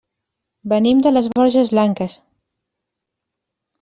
Venim de les Borges Blanques.